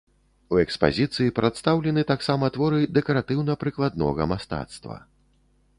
У экспазіцыі прадстаўлены таксама творы дэкаратыўна-прыкладнога мастацтва.